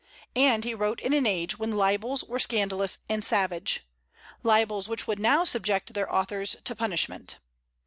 And he wrote in an age when libels were scandalous and savage, libels which would now subject their authors to punishment.